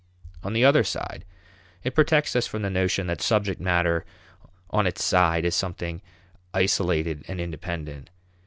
On the other side, it protects us from the notion that subject matter on its side is something isolated and independent.